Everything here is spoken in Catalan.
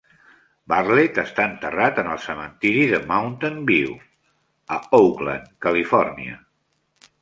Bartlett està enterrat en el cementiri de Mountain View en Oakland, Califòrnia.